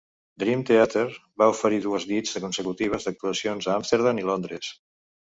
Dream Theatre va oferir dues nits consecutives d'actuacions a Amsterdam i Londres.